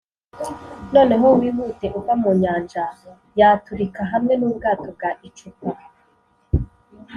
noneho wihute uva mu nyanja yaturika hamwe n'ubwato bwa icupa